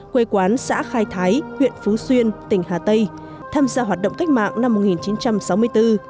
quê quán xã khai thái huyện phú xuyên tỉnh hà tây tham gia hoạt động cách mạng năm một nghìn chín trăm sáu mươi bốn